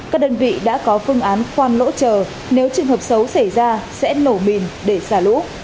các đơn vị đã có phương án khoan lỗ chờ nếu trường hợp xấu xảy ra sẽ nổ mìn để xả lũ